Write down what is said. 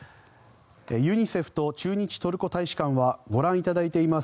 ユニセフと駐日トルコ大使館はご覧いただいています